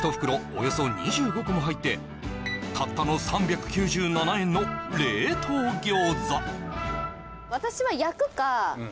およそ２５個も入ってたったの３９７円の冷凍餃子